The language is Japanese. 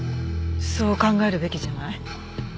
そう考えるべきじゃない？